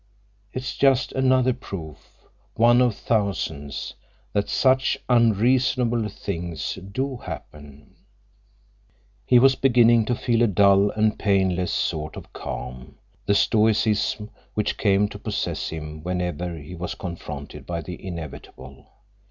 It's just another proof, one of thousands, that such unreasonable things do happen." He was beginning to feel a dull and painless sort of calm, the stoicism which came to possess him whenever he was confronted by the inevitable.